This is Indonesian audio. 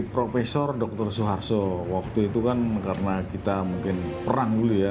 profesor dr suharto waktu itu kan karena kita mungkin perang dulu ya